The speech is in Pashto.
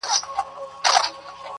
توره به یم خو د مکتب توره تخته یمه زه,